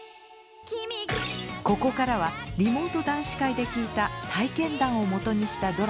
ここからはリモート男子会で聞いた体験談をもとにしたドラマです。